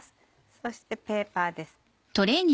そしてペーパーです。